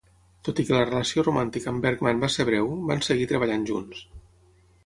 Tot i que la relació romàntica amb Bergman va ser breu, van seguir treballant junts.